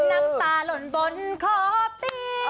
น้ำตาหล่นบนขอตี